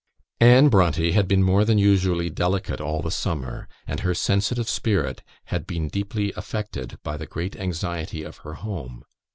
Anne Brontë had been more than usually delicate all the summer, and her sensitive spirit had been deeply affected by the great anxiety of her home.